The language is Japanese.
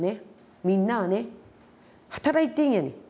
みんなはね働いてんやねん。